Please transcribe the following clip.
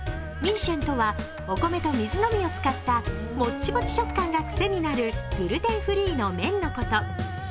ミーシェンとはお米と水のみを使ったモッチモチ食感が癖になるグルテンフリーの麺のこと。